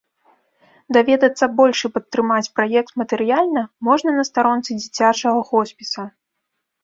Даведацца больш і падтрымаць праект матэрыяльна можна на старонцы дзіцячага хоспіса.